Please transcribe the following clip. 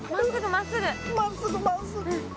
真っすぐ真っすぐ。